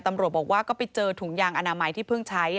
ตำรวจบอกว่าก็ไปเจอถุงยางอนามัยที่เพิ่งใช้